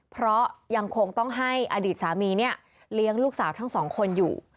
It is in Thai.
เพราะยังคงต้องให้อดีตสามีเนี่ยเลี้ยงลูกสาวทั้งสองคนอยู่